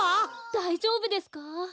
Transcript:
だいじょうぶですか？